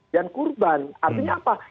dan kurban artinya apa